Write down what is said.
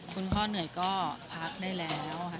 คุณพ่อเหนื่อยก็พักได้แล้วค่ะ